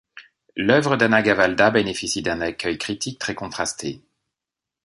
L'œuvre d'Anna Gavalda bénéficie d'un accueil critique très contrasté.